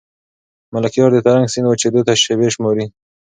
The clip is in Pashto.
ملکیار د ترنک سیند وچېدو ته شېبې شماري.